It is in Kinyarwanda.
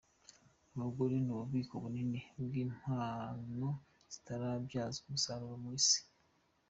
Abagore ni ububiko bunini bw’ impano zitarabyazwa umusaruro mu Isi.